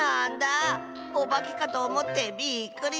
おばけかとおもってびっくりしたオバ。